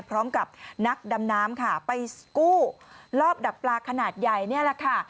พร้อมกับนักดำน้ำค่ะไปกู้รอบดักปลาขนาดใหญ่นี่แหละค่ะ